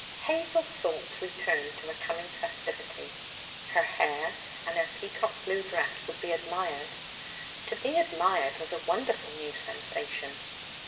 Hazel's thoughts returned to the coming festivity. Her hair and her peacock blue dress would be admired. To be admired was a wonderful new sensation.